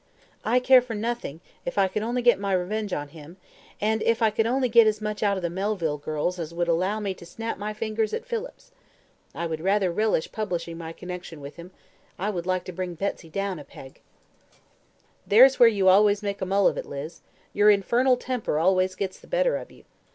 "I care for nothing if I could only get my revenge on him, and if I could only get as much out of the Melville girls as would allow me to snap my fingers at Phillips. I would rather relish publishing my connection with him. I would like to bring down Betsy a peg." "There's where you always make a mull of it, Liz. Your infernal temper always gets the better of you.